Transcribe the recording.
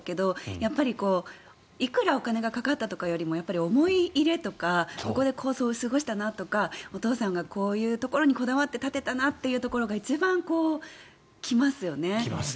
やっぱりいくらお金がかかったとかよりも思い入れとかそこで幼少期を過ごしたなとかお父さんがこういうところにこだわって建てたなというところが一番来ますよね。